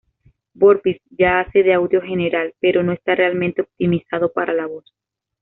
Vorbis ya hace de audio general, pero no está realmente optimizado para la voz.